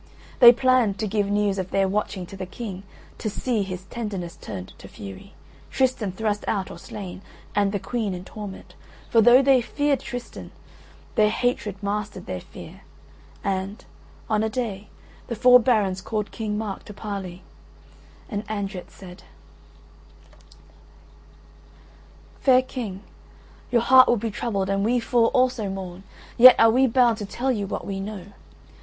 They planned to give news of their watching to the King, to see his tenderness turned to fury, Tristan thrust out or slain, and the Queen in torment; for though they feared Tristan their hatred mastered their fear; and, on a day, the four barons called King Mark to parley, and Andret said: "Fair King, your heart will be troubled and we four also mourn; yet are we bound to tell you what we know.